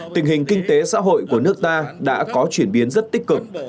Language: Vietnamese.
tình hình kinh tế xã hội của nước ta đã có chuyển biến rất tích cực